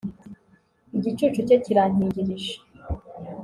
igicucu cye kirankingirije